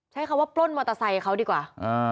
ใช้คำว่าปล้นมอเตอร์ไซค์เขาดีกว่า